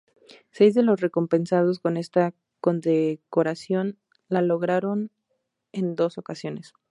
Seis de los recompensados con esta condecoración la lograron en dos ocasiones.